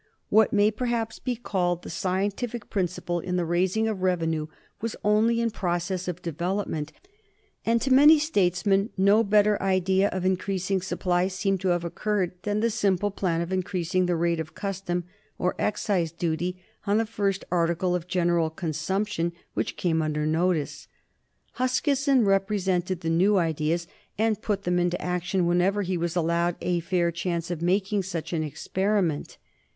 What may perhaps be called the scientific principle in the raising of revenue was only in process of development, and to many statesmen no better idea of increasing supplies seemed to have occurred than the simple plan of increasing the rate of custom or excise duty on the first article of general consumption which came under notice. Huskisson represented the new ideas, and put them into action whenever he was allowed a fair chance of making such an experiment.